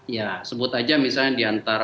ya sebut aja misalnya di antara